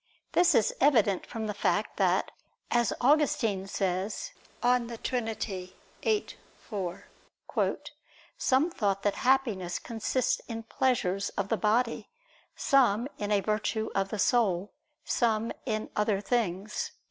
This is evident from the fact that, as Augustine says (De Trin. xiii, 4), "some thought that Happiness consists in pleasures of the body; some, in a virtue of the soul; some in other things."